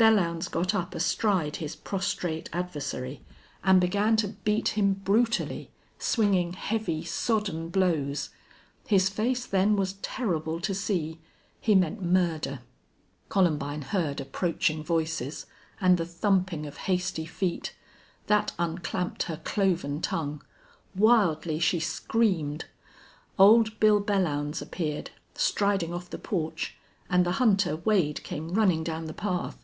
Belllounds got up astride his prostrate adversary and began to beat him brutally, swinging heavy, sodden blows. His face then was terrible to see. He meant murder. Columbine heard approaching voices and the thumping of hasty feet. That unclamped her cloven tongue. Wildly she screamed. Old Bill Belllounds appeared, striding off the porch. And the hunter Wade came running down the path.